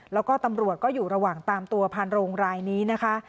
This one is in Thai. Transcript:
แล้วก็ตำรวจก็อยู่ระหว่างตามตัวพานโรงรายนี้นะคะ